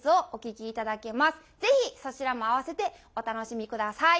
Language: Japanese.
是非そちらもあわせてお楽しみください！